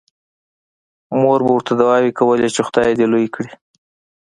مور به ورته دعاوې کولې چې خدای دې لوی کړي